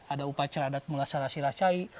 ada upacara adat mula sarasi racai